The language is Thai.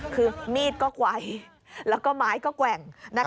คือมีดก็ไกลแล้วก็ไม้ก็แกว่ง